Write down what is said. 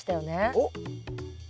おっ！